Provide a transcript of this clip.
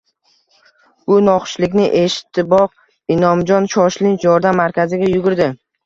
Bu noxushlikni eshitiboq, Inomjon shoshilinch yordam markaziga yugurdi